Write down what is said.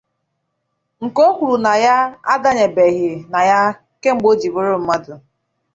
nke o kwuru na ya adanyebeghị na ya kemgbe o jiri bụrụ mmadụ.